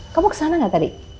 kamu kesana gak tadi